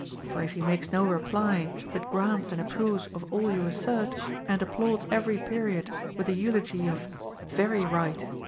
For if he makes no reply, but grants and approves of all you assert, and applauds every period with the eulogy of Very right!